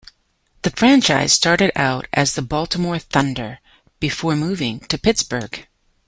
The franchise started out as the Baltimore Thunder before moving to Pittsburgh.